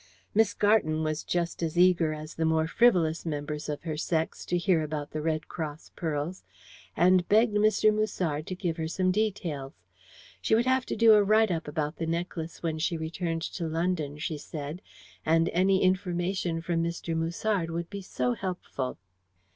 Miss Garton was just as eager as the more frivolous members of her sex to hear about the Red Cross pearls, and begged Mr. Musard to give her some details. She would have to do a "write up" about the necklace when she returned to London, she said, and any information from Mr. Musard would be so helpful.